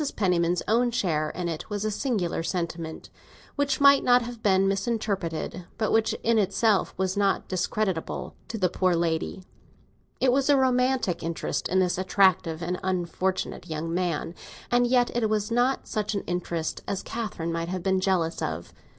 Penniman's own share in it was a singular sentiment, which might have been misinterpreted, but which in itself was not discreditable to the poor lady. It was a romantic interest in this attractive and unfortunate young man, and yet it was not such an interest as Catherine might have been jealous of. Mrs.